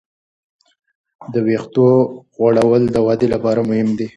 د وېښتو غوړول د ودې لپاره مهم دی.